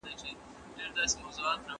زکات د مال د زياتوالي سبب دی.